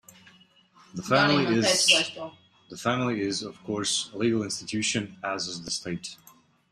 The family is, of course, a legal institution as is the state.